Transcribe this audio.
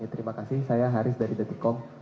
terima kasih saya haris dari detikom